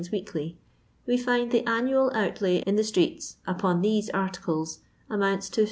weekly, we find the annual outlay in the streets npon these artidet amounts to